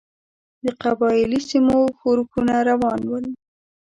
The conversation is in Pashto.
د قبایلي سیمو ښورښونه روان ول.